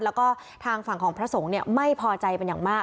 แล้วก็ทางฝั่งของพระสงฆ์ไม่พอใจเป็นอย่างมาก